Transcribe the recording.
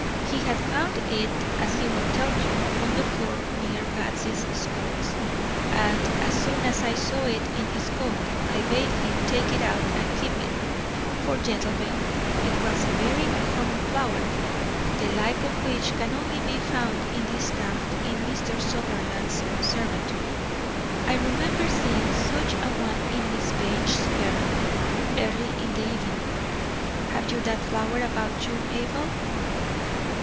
He had found it, as he will tell you, on the floor near Batsy's skirts, and as soon as I saw it in his coat, I bade him take it out and keep it, for, gentlemen, it was a very uncommon flower, the like of which can only be found in this town in Mr. Sutherland's conservatory. I remember seeing such a one in Miss Page's hair, early in the evening. Have you that flower about you, Abel?"